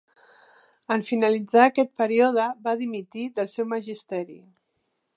En finalitzar aquest període va dimitir del seu magisteri.